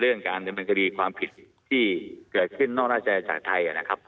เรื่องการเป็นคดีความผิดที่เกิดขึ้นนอกราชาจักรไทยนะครับ